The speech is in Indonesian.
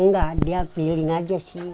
oh nggak dia feeling aja sih